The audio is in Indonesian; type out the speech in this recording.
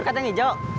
udah kasih ya